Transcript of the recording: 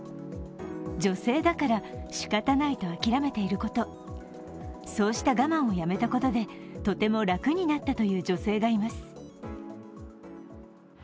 女性だから「しかたない」と諦めていること、そうした我慢をやめたことでとても楽になったという女性がいます。